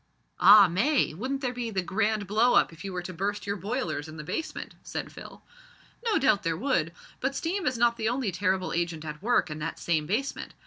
"Ah! May, wouldn't there be the grand blow up if you were to burst your boilers in the basement?" said Phil. "No doubt there would. But steam is not the only terrible agent at work in that same basement.